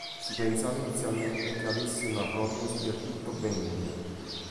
Si pensava inizialmente che avesse una prognosi del tutto benigna.